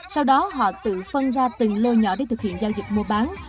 sau đó họ tự phân ra từng lô nhỏ để thực hiện giao dịch mua bán